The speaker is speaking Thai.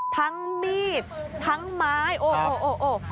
ทั้งมีดทั้งไม้โอ้โหโอ้โหโอ้โห